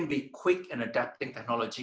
bisa cepat mengadaptasi teknologi